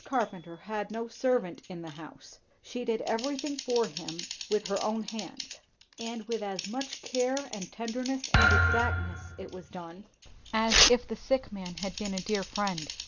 Carpenter had no servant in the house; she did everything for him with her own hands; and with as much care and tenderness and exactness it was done as if the sick man had been a dear friend.